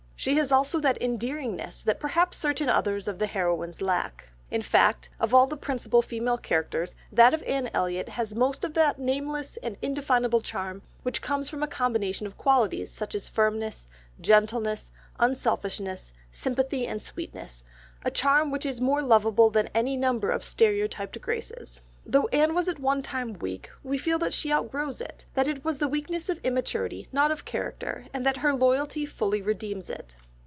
She has also that endearingness that perhaps certain others of the heroines lack. In fact, of all the principal female characters that of Anne Elliot has most of that nameless and indefinable charm, which comes from a combination of qualities such as firmness, gentleness, unselfishness, sympathy and sweetness, a charm which is more lovable than any number of stereotyped graces. Though Anne was at one time weak, we feel that she outgrows it, that it was the weakness of immaturity, not of character, and that her loyalty fully redeems it.